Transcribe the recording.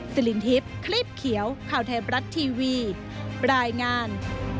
สิรินทิพย์คลีบเขียวข่าวไทยบรัฐทีวีรายงาน